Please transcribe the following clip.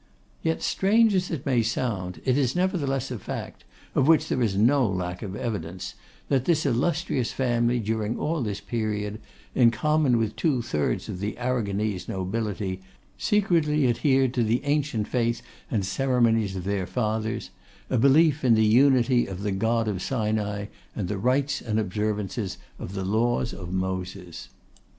Yet, strange as it may sound, it is nevertheless a fact, of which there is no lack of evidence, that this illustrious family during all this period, in common with two thirds of the Arragonese nobility, secretly adhered to the ancient faith and ceremonies of their fathers; a belief in the unity of the God of Sinai, and the rights and observances of the laws of Moses.